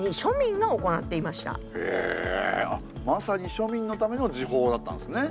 まさに庶民のための時報だったんですね。